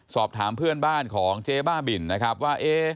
สอบถามเพื่อนบ้านของเจ๊บ้าบินนะครับว่า